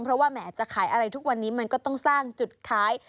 เพราะว่าแหมจะขายอะไรทุกวันนี้มันก็ต้องสร้างจุดขาย